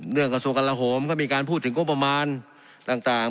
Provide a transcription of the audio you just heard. เรื่องกระทรวงกันละโหมก็มีการพูดถึงก้มประมาณต่าง